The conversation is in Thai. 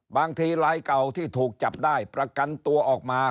บางทีลายเก่าที่ถูกจับได้ประกันตัวออกมา